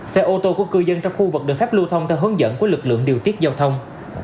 xe ô tô của cư dân trong khu vực được phép lưu thông theo hướng dẫn của lực lượng điều tiết giao thông